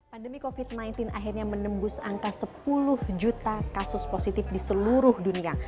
pandemi covid sembilan belas akhirnya menembus angka sepuluh juta kasus positif di seluruh dunia